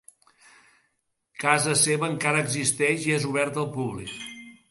Casa seva encara existeix i és oberta al públic.